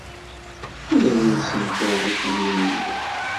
Ur awen-ssenkareɣ akamyun-nwen.